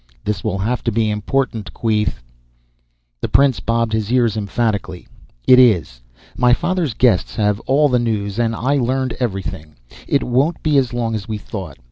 "This will have to be important, Queeth." The prince bobbed his ears emphatically. "It is. My father's guests have all the news, and I learned everything. It won't be as long as we thought."